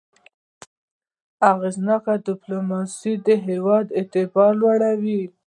اغېزناکه ډيپلوماسي د هېواد اعتبار لوړوي.